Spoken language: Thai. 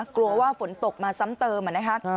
กลัวว่าฝนตกมาซ้ำเติมนะคะ